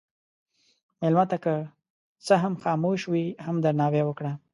مېلمه ته که څه هم خاموش وي، هم درناوی ورکړه.